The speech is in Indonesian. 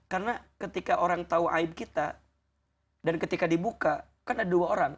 karena ketika orang tahu aib kita dan ketika dibuka kan ada dua orang